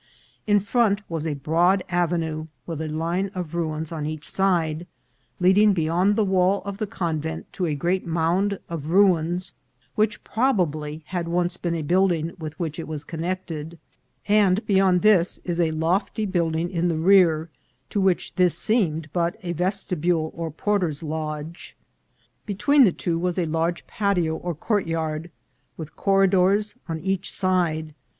In front was a broad avenue, with a line of ruins on each side, leading beyond the wall of the convent to a great mound of ruins, which probably had once been a building with which it was connected ; and beyond this is a lofty building in the rear, to which this seemed but a vestibule or porter's lodge. Between the two was a large patio or courtyard, with corridors on each side, ABSENCE OF WATER.